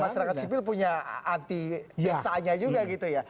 masyarakat sipil punya anti desanya juga gitu ya